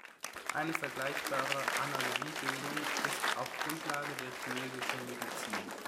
Eine vergleichbare Analogiebildung ist auch Grundlage der Chinesischen Medizin.